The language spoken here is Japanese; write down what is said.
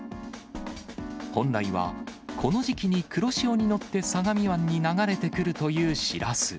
本来は、この時期に黒潮に乗って相模湾に流れてくるというしらす。